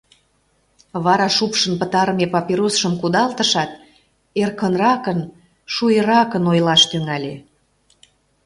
Вара шупшын пытарыме папиросшым кудалтышат, эркынракын, шуэракын ойлаш тӱҥале.